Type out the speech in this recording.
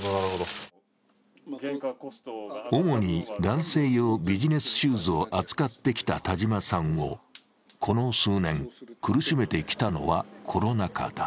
主に男性用ビジネスシューズを扱ってきた田島さんをこの数年、苦しめてきたのはコロナ禍だ。